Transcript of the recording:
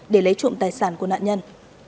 để lấy trộm tài sản của nạn nhân